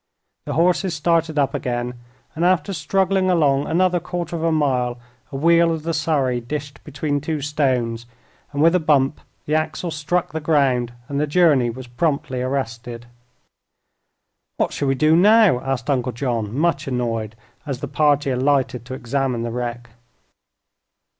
The horses started up again, and after struggling along another quarter of a mile a wheel of the surrey dished between two stones, and with a bump the axle struck the ground and the journey was promptly arrested. "What shall we do now?" asked Uncle John, much annoyed, as the party alighted to examine the wreck.